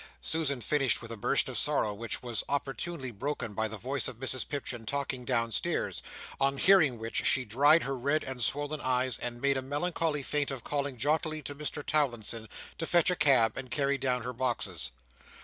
Susan finished with a burst of sorrow, which was opportunely broken by the voice of Mrs Pipchin talking downstairs; on hearing which, she dried her red and swollen eyes, and made a melancholy feint of calling jauntily to Mr Towlinson to fetch a cab and carry down her boxes.